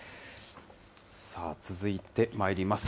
続いてまいります。